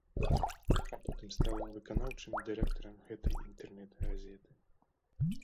А потым стаў выканаўчым дырэктарам гэтай інтэрнэт-газеты.